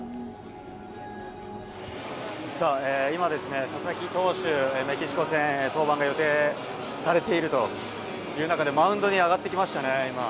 さあ、今ですね、佐々木投手、メキシコ戦、登板が予定されているという中で、マウンドに上がってきましたね、今。